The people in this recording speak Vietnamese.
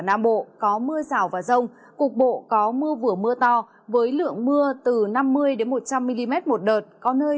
nam bộ có mưa rào và rông cục bộ có mưa vừa mưa to với lượng mưa từ năm mươi một trăm linh mm một đợt có nơi